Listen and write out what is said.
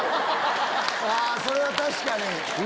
それは確かに。